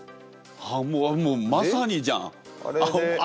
あっもうまさにじゃん！